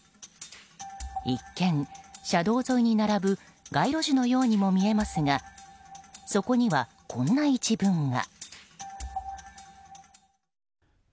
一見、車道沿いに並ぶ街路樹のようにも見えますがそこには、こんな一文が。